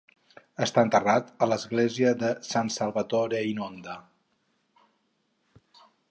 Està enterrat a l'església de San Salvatore in Onda.